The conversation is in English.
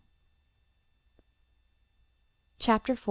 CHAPTER IV.